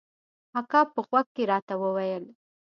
اکا په غوږ کښې راته وويل.